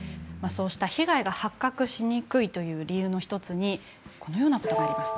被害が発覚しにくいという理由の１つにこのようなことがあります。